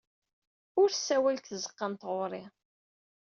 Ur ssawal deg tzeɣɣa n tɣuri.